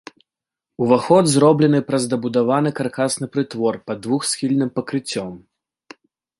Уваход зроблены праз дабудаваны каркасны прытвор пад двухсхільным пакрыццём.